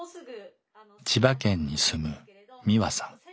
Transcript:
千葉県に住むみわさん。